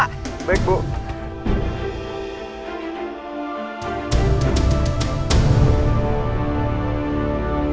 aku mau ke rumah